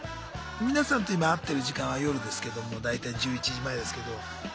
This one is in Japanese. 皆さんと今会ってる時間は夜ですけども大体１１時前ですけど。